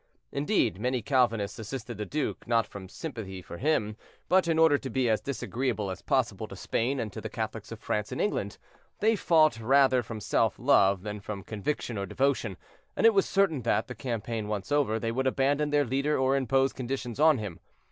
Indeed, many Calvinists assisted the duke, not from sympathy for him, but in order to be as disagreeable as possible to Spain and to the Catholics of France and England; they fought rather from self love than from conviction or devotion, and it was certain that, the campaign once over, they would abandon their leader or impose conditions on him.